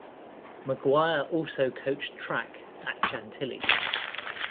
McGuire also coached track at Chantilly.